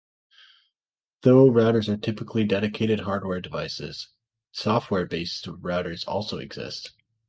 Though routers are typically dedicated hardware devices, software-based routers also exist.